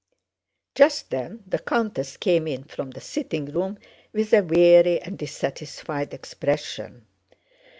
Just then the countess came in from the sitting room with a weary and dissatisfied expression.